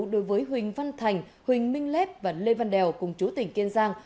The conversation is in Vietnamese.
đối với huỳnh văn thành huỳnh minh lép và lê văn đèo cùng chú tỉnh kiên giang